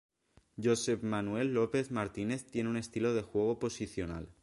Josep Manuel López Martínez tiene un estilo de juego posicional.